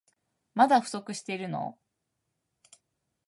まだ不足してるの？